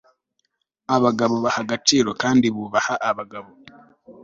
abagabo baha agaciro kandi bubaha abagabo